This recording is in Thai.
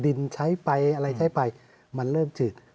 ใช้ไปอะไรใช้ไปมันเริ่มจืด